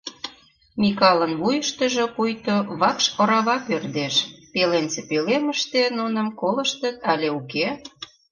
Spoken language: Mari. Микалын вуйыштыжо пуйто вакш орава пӧрдеш: «Пеленсе пӧлемыште нуным колыштыт але уке?»